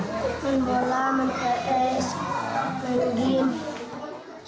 main bola main ps main game